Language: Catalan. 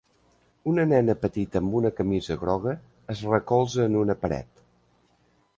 Una nena petita amb una camisa groga es recolza en una pared.